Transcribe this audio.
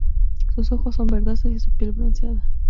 Sus ojos son verdosos y su piel bronceada.